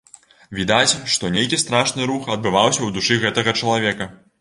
Відаць, што нейкі страшны рух адбываўся ў душы гэтага чалавека.